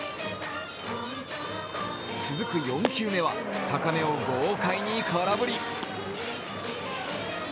続く４球目は高めを豪快に空振り。